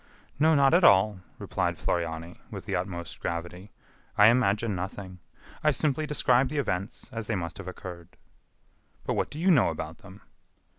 "No, not at all," replied Floriani, with the utmost gravity, "I imagine nothing. I simply describe the events as they must have occurred." "But what do you know about them?"